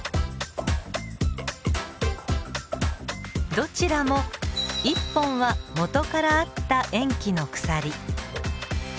どちらも一本は元からあった塩基の鎖。